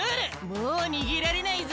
もうにげられないぞ！